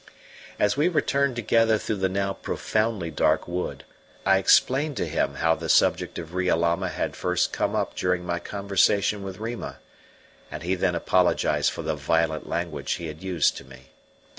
As we returned together through the now profoundly dark wood, I explained to him how the subject of Riolama had first come up during my conversation with Rima, and he then apologized for the violent language he had used to me.